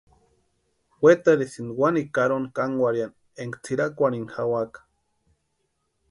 Wetarhisïnti wanikwa karoni kankwarhiani énka tsʼirakwarhini jawaka.